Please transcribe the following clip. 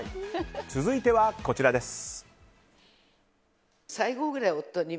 続いてはこちらです。